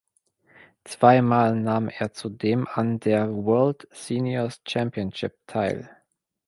Zweimal nahm er zudem an der World Seniors Championship teil.